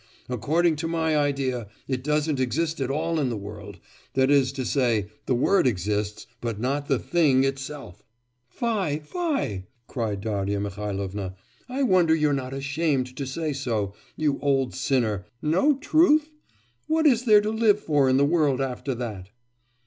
According to my idea, it doesn't exist at all in the world, that is to say, the word exists but not the thing itself.' 'Fie, fie!' cried Darya Mihailovna, 'I wonder you're not ashamed to say so, you old sinner! No truth? What is there to live for in the world after that?